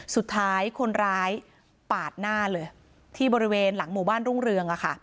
สุดท้ายคนร้ายปาดหน้าเลยที่บริเวณหลังหมู่บ้านรุ่งเรือง